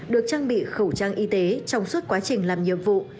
được trang bị khẩu trang y tế trong suốt quá trình làm nhiệm vụ